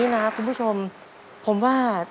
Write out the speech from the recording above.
ลูกอัน